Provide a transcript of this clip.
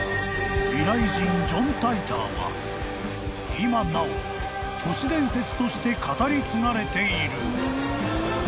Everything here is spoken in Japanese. ［今なお都市伝説として語り継がれている］